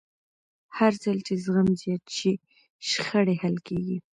هرځل چې زغم زیات شي، شخړې حل کېږي.